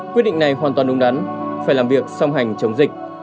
quyết định này hoàn toàn đúng đắn phải làm việc song hành chống dịch